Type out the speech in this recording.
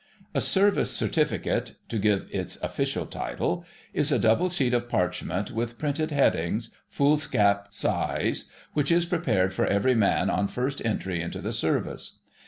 A Service Certificate—to give its official title—is a double sheet of parchment with printed headings, foolscap size, which is prepared for every man on first entry into the Service.